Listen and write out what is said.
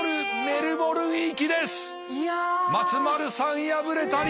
松丸さん敗れたり！